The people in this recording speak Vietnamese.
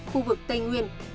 khu vực tây nguyên